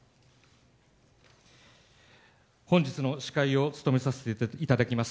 本日の司会を務めさせていただきます